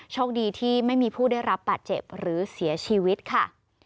โชคดีที่ไม่มีผู้ได้รับบาดเจ็บหรือเสียชีวิตค่ะ